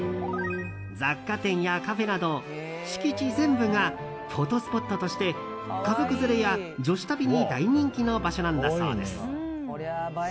雑貨店やカフェなど敷地全部がフォトスポットとして家族連れや女子旅に大人気の場所なんだそうです。